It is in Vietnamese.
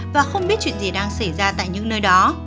và không biết chuyện gì đang xảy ra tại những nơi đó